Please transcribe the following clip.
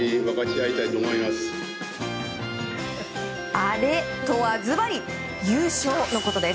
「アレ」とはずばり優勝のことです。